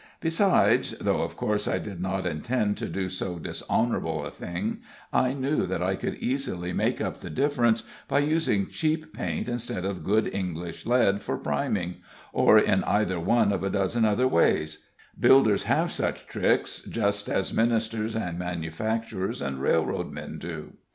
Besides though, of course, I did not intend to do so dishonorable a thing I knew that I could easily make up the difference by using cheap paint instead of good English lead for priming, or in either one of a dozen other ways; builders have such tricks, just as ministers and manufacturers and railroadmen do.